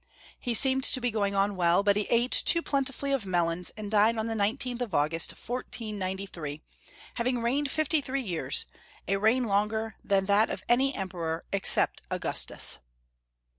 He seemed to be going on well, but he ate too plentifully of melons, and died on the l&th of August, 1493, having reigned fifty three years, a reign longer than that of any Emperor ex cept Augustus.